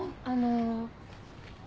あの。